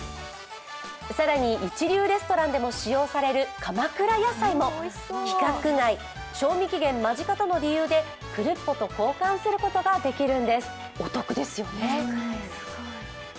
更に一流レストランでも使用される鎌倉野菜も規格外、賞味期限間近との理由でクルッポと交換することができるんです、お得ですよね。